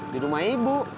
di rumah ibu